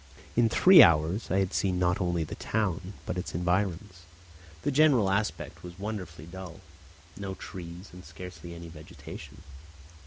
In three hours I had seen not only the town but its environs. The general aspect was wonderfully dull. No trees, and scarcely any vegetation.